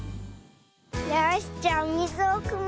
よしじゃあおみずをくむよ。